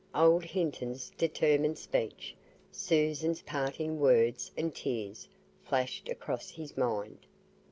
Old Hinton's determined speech, Susan's parting words and tears, flashed across his mind.